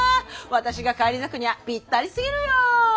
私が返り咲くにはぴったりすぎるよ。